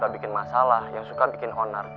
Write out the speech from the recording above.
bukan bikin masalah yang suka bikin honor